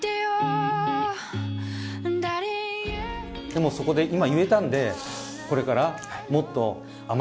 でもそこで今言えたんでこれからもっと甘えてください。